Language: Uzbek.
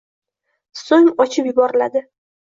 So‘ng ochib yuboriladi.